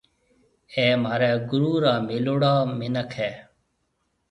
اَي مهاريَ گُرو را ميليوڙا مِنک هيَ۔